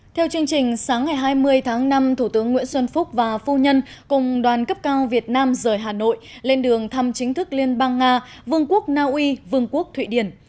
theo chương trình sáng ngày hai mươi tháng năm thủ tướng nguyễn xuân phúc và phu nhân cùng đoàn cấp cao việt nam rời hà nội lên đường thăm chính thức liên bang nga vương quốc naui vương quốc thụy điển